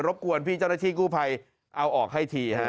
บกวนพี่เจ้าหน้าที่กู้ภัยเอาออกให้ทีฮะ